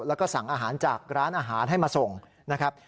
แล้วก็สั่งอาหารจากร้านอาหารให้มาส่งนะครับ